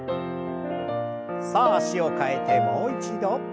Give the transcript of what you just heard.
さあ脚を替えてもう一度。